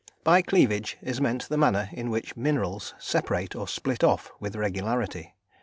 By cleavage is meant the manner in which minerals separate or split off with regularity.